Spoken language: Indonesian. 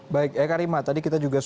baik eka rima